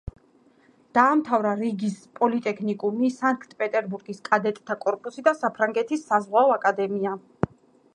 დაამთავრა რიგის პოლიტექნიკუმი, სანქტ-პეტერბურგის კადეტთა კორპუსი და საფრანგეთის საზღვაო აკადემია.